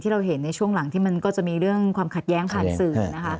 เราเห็นในช่วงหลังที่มันก็จะมีเรื่องความขัดแย้งผ่านสื่อนะคะ